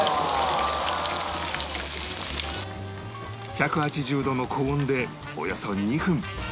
１８０度の高温でおよそ２分